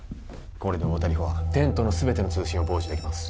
これで太田梨歩はテントの全ての通信を傍受できます